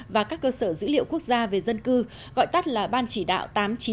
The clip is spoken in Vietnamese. và các cơ sở dữ liệu quốc gia về dân cư gọi tắt là ban chỉ đạo tám trăm chín mươi chín